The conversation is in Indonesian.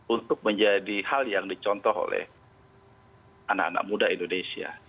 untuk menjadi hal yang dicontoh oleh anak anak muda indonesia